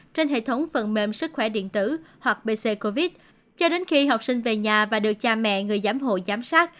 trên hệ thống phần mềm sức khỏe điện tử hoặc bc covid cho đến khi học sinh về nhà và được cha mẹ người giám hộ giám sát